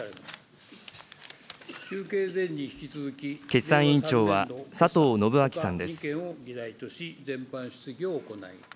決算委員長は、佐藤信秋さんです。